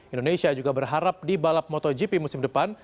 indonesia juga berharap di balap motogp musim depan